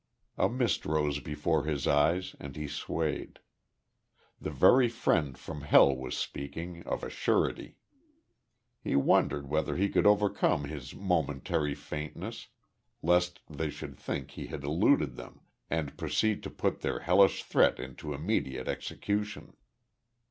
A mist rose before his eyes and he swayed. The very fiend from Hell was speaking, of a surety. He wondered whether he could overcome his momentary faintness, lest they should think he had eluded them, and proceed to put their hellish threat into immediate execution.